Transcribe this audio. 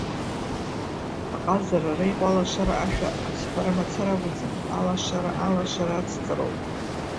Аҟазара ари иҟоу алашара ашәа азҳәара мацара акәӡам, алашара алашара ацҵароуп.